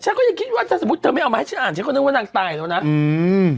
ฉันก็ยังคิดว่าถ้าสมมุติเธอไม่เอามาให้ฉันอ่านฉันก็นึกว่านางตายแล้วนะอืม